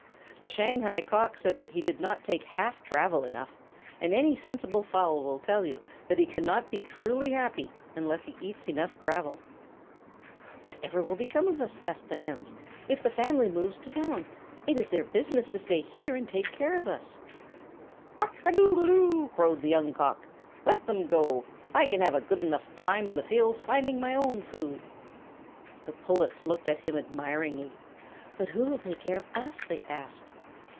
The Shanghai Cock said that he did not take half gravel enough, and any sensible fowl will tell you that he cannot be truly happy unless he eats enough gravel. "What will ever become of us," asked the Hens, "if the family moves to town? It is their business to stay here and take care of us." "Cock a doodle doo!" crowed the Young Cock. "Let them go. I can have a good enough time in the fields finding my own food." The Pullets looked at him admiringly. "But who will take care of us?" they asked.